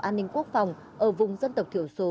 an ninh quốc phòng ở vùng dân tộc thiểu số